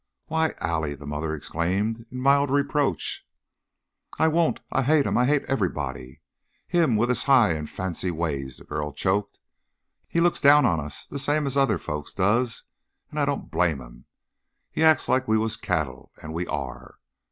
"Why, Allie!" the mother exclaimed, in mild reproach. "I won't! I hate 'em. I hate everybody. Him, with his high an' fancy ways " the girl choked. "He looks down on us the same as other folks does, an' I don't blame him. He acts like we was cattle, an' we are."